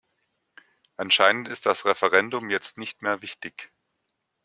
Anscheinend ist das Referendum jetzt nicht mehr wichtig.